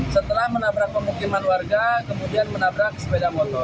setelah menabrak pemukiman warga kemudian menabrak sepeda motor